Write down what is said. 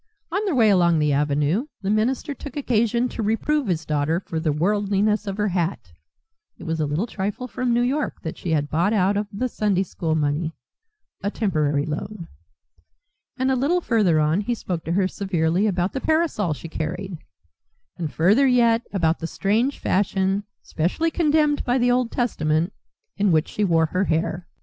On their way along the avenue the minister took occasion to reprove his daughter for the worldliness of her hat (it was a little trifle from New York that she had bought out of the Sunday School money a temporary loan); and a little further on he spoke to her severely about the parasol she carried; and further yet about the strange fashion, specially condemned by the Old Testament, in which she wore her hair.